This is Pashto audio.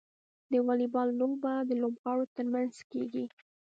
د واليبال لوبه د لوبغاړو ترمنځ کیږي.